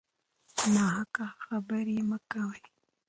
ناحق خبرې مه کوئ.